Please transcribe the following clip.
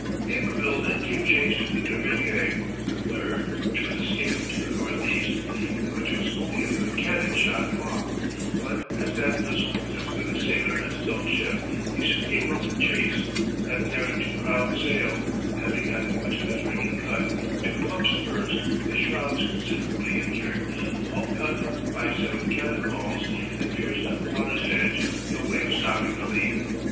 "Iberville then gave chase to the Deringue, the third, which was escaping to the northeast, and which was only a good cannon shot off; but as that vessel was as good a sailor as his own ship he soon gave up the chase, not daring to crowd sail, having had much of his rigging cut, two pumps burst, his shrouds considerably injured, hull cut up by seven cannon balls and pierced at the water's edge, with no way of stopping the leak.